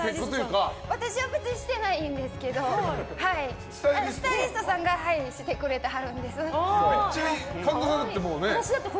私は別にしてないんですけどスタイリストさんがめっちゃ、神田さんだってね。